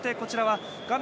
画面